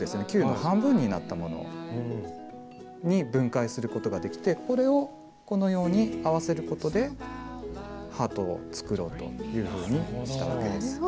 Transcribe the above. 球の半分になったものに分解することができてこれをこのように合わせることでハートを作ろうというふうにしたわけです。